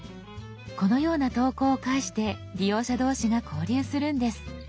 このような投稿を介して利用者同士が交流するんです。